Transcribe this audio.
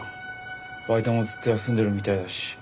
バイトもずっと休んでるみたいだし。